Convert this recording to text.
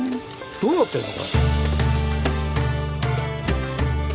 どうなってんだ。